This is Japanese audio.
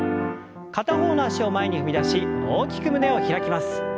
片方の脚を前に踏み出し大きく胸を開きます。